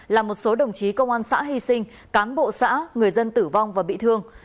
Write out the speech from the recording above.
làm một số đồng chí công an xã hy sinh cán bộ xã người dân tử vong và bị thương